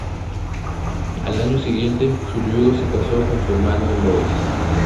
Al año siguiente, su viudo se casó con su hermana Louise.